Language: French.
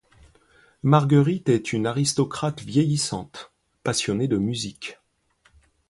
Marguerite est une aristocrate vieillissante, passionnée de musique.